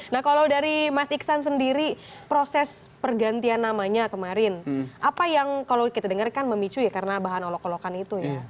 nah kalau dari mas iksan sendiri proses pergantian namanya kemarin apa yang kalau kita dengar kan memicu ya karena bahan olok olokan itu ya